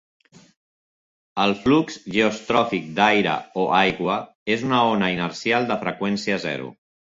El flux geostròfic d'aire o aigua és una ona inercial de freqüència zero.